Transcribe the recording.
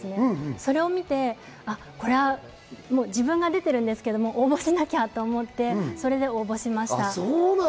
それを見て自分は出てるんですけど、これは応募しなきゃと思って応募しました。